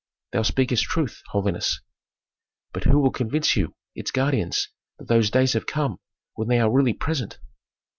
"Thou speakest truth, holiness." "But who will convince you, its guardians, that those days have come when they are really present?"